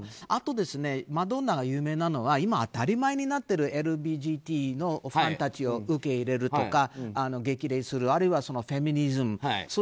あと、マドンナが有名なのは今、当たり前になっているＬＧＢＴのファンたちを受け入れるとか激励するあるいはフェミニズム